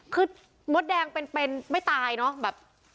คือมดแดงเป็นไม่ตายเนอะแบบ